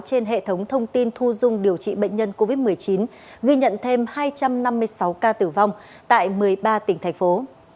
trên hệ thống thông tin thu dung điều trị bệnh nhân covid một mươi chín ghi nhận thêm hai trăm năm mươi sáu ca tử vong tại một mươi ba tỉnh thành phố